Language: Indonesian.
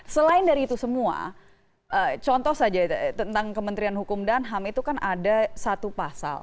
selain dari itu semua contoh saja tentang kementerian hukum dan ham itu kan ada satu pasal